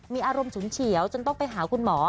มีอารมณ์ฉุนเฉียวจนต้องไปหาคุณหมอ